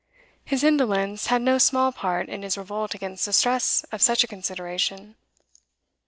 His indolence had no small part in his revolt against the stress of such a consideration.